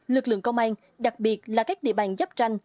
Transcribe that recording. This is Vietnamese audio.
lực lượng công an đặc biệt là các địa bàn giáp tranh